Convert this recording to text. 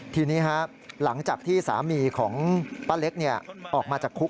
ทีนี้หลังจากที่สามีของป้าเล็กออกมาจากคุก